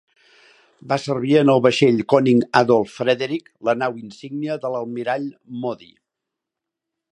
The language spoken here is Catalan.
Va servir en el vaixell "Konig Adolf Frederic", la nau insígnia de l'almirall Modee.